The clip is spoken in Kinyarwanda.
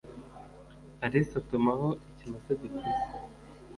Alice atumaho ikimasa gikuze